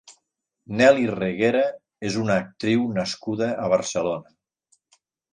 Nely Reguera és una actriu nascuda a Barcelona.